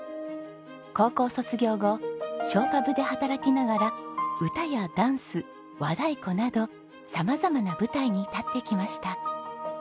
高校卒業後ショーパブで働きながら歌やダンス和太鼓など様々な舞台に立ってきました。